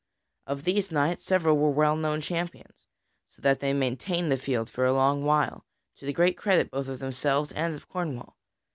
Of these knights, several were well known champions, so that they maintained the field for a long while, to the great credit both of themselves and of Cornwall.